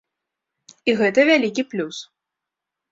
І гэта вялікі плюс.